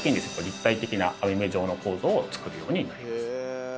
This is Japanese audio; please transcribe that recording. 立体的な網目状の構造を作るようになります。